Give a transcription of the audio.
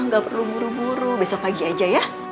nggak perlu buru buru besok pagi aja ya